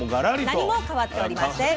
何も変わっておりません。